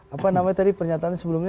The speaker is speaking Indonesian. apa namanya tadi pernyataan sebelumnya